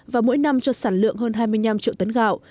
và mỗi năm cho sản lượng hơn hai mươi năm triệu tấn gạo